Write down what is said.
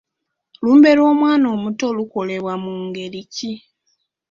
Olumbe lw'omwana omuto lokorebwa mu ngeri ki?